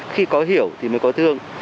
khi có hiểu thì mới có thương